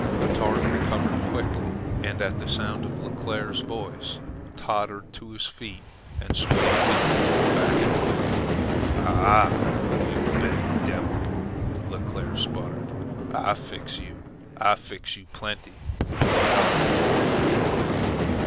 Batard recovered quickly, and at sound of Leclere's voice, tottered to his feet and swayed weakly back and forth. "A h ah! You beeg devil!" Leclere spluttered. "Ah fix you; Ah fix you plentee, by GAR!"